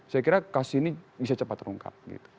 saya kira kasus ini bisa cepat terungkap